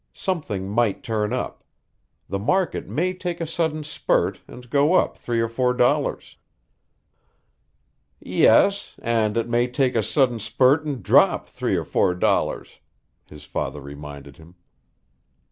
Something might turn up. The market may take a sudden spurt and go up three or four dollars." "Yes and it may take a sudden spurt and drop three or four dollars," his father reminded him.